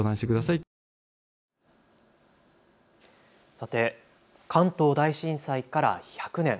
さて、関東大震災から１００年。